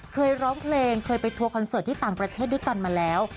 เคยร้องเพลงเคยไปทัวร์คอนเสิร์ตที่ต่างประเทศด้วยกันมาแล้ว